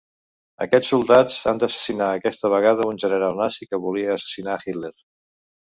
Aquests soldats han d'assassinar aquesta vegada un general nazi que volia assassinar Hitler.